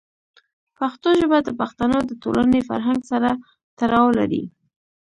پښتو ژبه د پښتنو د ټولنې فرهنګ سره تړاو لري.